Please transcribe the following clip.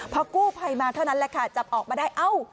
พอกู้ภัยมาเท่านั้นแหละค่ะจับออกมาได้เอ้า